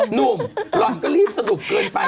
หนุ่มเราก็รีบสนุกเกินไป